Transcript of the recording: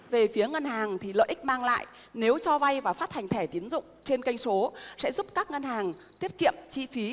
về phía ngân hàng thì lợi ích mang lại nếu cho vay và phát hành thẻ tiến dụng trên kênh số sẽ giúp các ngân hàng tiết kiệm chi phí